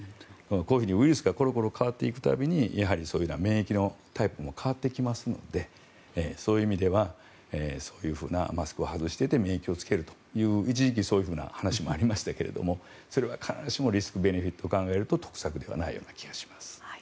こういうふうにウイルスがコロコロ変わっていく度にそういう免疫のタイプも変わってくるのでそういう意味ではそういうマスクを外して免疫をつけるというような一時期そういう話もありましたがそれは必ずしもリスクベネフィットを考えると得策ではないと思います。